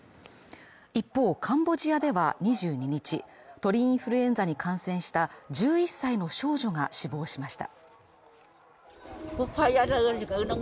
一方、カンボジアでは２２日、鳥インフルエンザに感染した１１歳の少女が死亡しました。